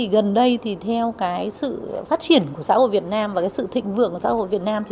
gần đây theo sự phát triển của xã hội việt nam và sự thịnh vượng của xã hội việt nam